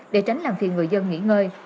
để tránh làm phiền người dân nghỉ ngơi